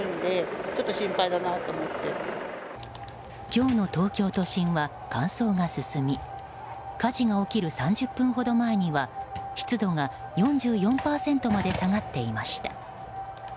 今日の東京都心は乾燥が進み火事が起きる３０分ほど前には湿度が４４％まで下がっていました。